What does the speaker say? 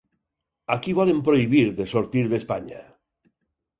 A qui volen prohibir de sortir d'Espanya?